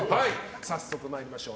早速参りましょう。